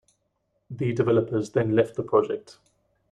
The developers then left the project.